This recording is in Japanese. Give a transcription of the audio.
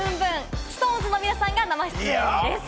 ＳｉｘＴＯＮＥＳの皆さんが生出演です。